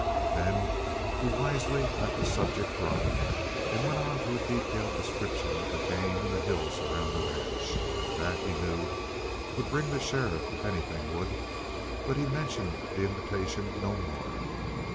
Then he wisely let the subject drop and went on to a detailed description of the game in the hills around the ranch. That, he knew, would bring the sheriff if anything would. But he mentioned the invitation no more.